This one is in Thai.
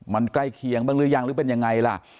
มันใกล้เคียงบ้างหรือยังหรือเป็นยังไงล่ะ